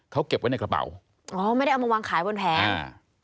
เขาเก็บไว้ในกระเป๋าอ๋อไม่ได้เอามาวางขายบนแผงอ่า